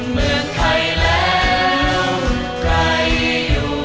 เมืองไทย